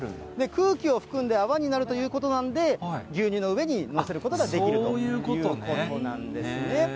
空気を含んで泡になるということなんで、牛乳の上に載せることができるということなんですね。